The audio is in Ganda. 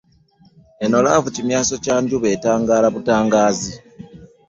Eno laavu kimyanso kya njuba, etangaala butangaazi